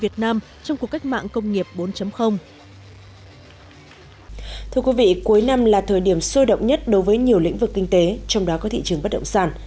thưa quý vị cuối năm là thời điểm sôi động nhất đối với nhiều lĩnh vực kinh tế trong đó có thị trường bất động sản